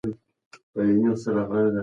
آیا فقر د ټولنیزو ستونزو اصلي لامل دی؟